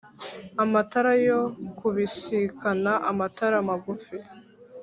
Amatara yo kubisikanaAmatara magufi